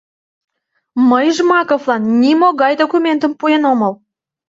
Мый Жмаковлан нимогай документым пуэн омыл!